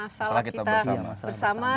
masalah kita bersama